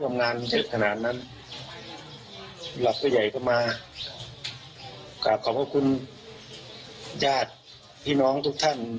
เยอะขนาดนั้นหลับก็ใหญ่ก็มาขอบคุณญาติพี่น้องทุกท่าน